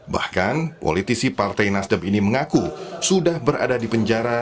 bahkan politisi partai nasdem ini mengaku sudah berada di penjara